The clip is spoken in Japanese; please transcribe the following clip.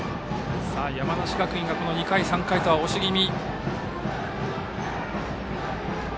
山梨学院が２回、３回と押し気味。